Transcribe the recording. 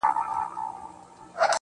له بده مرغه ډېر کسان